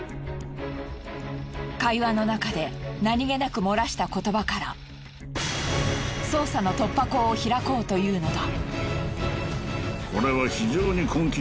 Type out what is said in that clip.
会話の中で何気なく漏らした言葉から捜査の突破口を開こうというのだ。